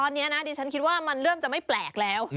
ตอนนี้นะดิฉันคิดว่ามันเริ่มจะไม่แปลกแล้ว